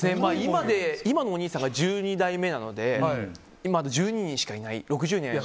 今のおにいさんが１２代目なので、今まででも１２人しかいない。